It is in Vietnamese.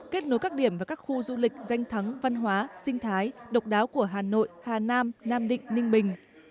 kết nối các điểm và các khu du lịch danh thắng văn hóa sinh thái độc đáo của hà nội hà nam nam định ninh bình